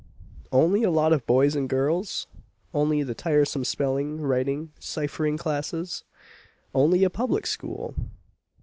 Only a lot of boys and girls? Only the tiresome spelling, writing, ciphering classes? Only a public school?